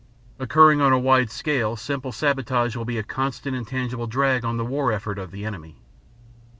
Occurring on a wide scale, simple sabotage will be a constant and tangible drag on the war effort of the enemy.